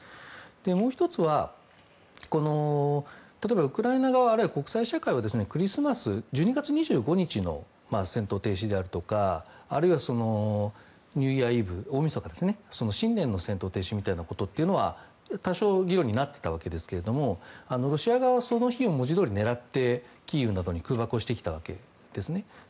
もう１つは例えば、ウクライナ側あるいは国際社会はクリスマス、１２月２５日の戦闘停止であるとか新年の戦闘停止は多少理にかなっていたわけですがロシア側はその日を文字どおり狙ってキーウなどに空爆をしてきたわけですね。